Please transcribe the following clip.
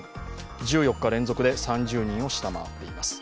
１４日連続で３０人を下回っています。